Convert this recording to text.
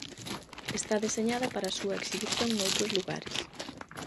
Está deseñada para a súa exhibición noutros lugares.